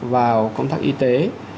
vào công tác y tế